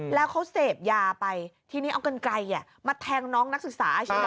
แล้วเขาเสพยาไปทีนี้เอากันไกลมาแทงน้องนักศึกษาใช่ไหม